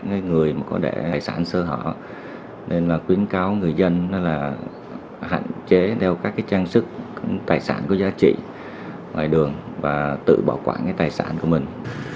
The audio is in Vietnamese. các người có đẻ tài sản sơ họ nên là khuyến cáo người dân là hạn chế đeo các trang sức tài sản có giá trị ngoài đường và tự bảo quản cái tài sản của mình